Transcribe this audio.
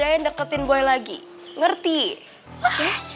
gue biasanya deketin boys lagi ngerti hah